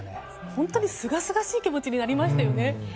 本当にすがすがしい気持ちになりましたよね。